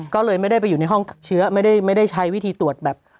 ก็เลยไม่ได้ไปอยู่ในห้องเชื้อไม่ได้ใช้วิธีตรวจแบบ